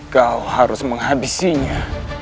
kau harus menghabisinya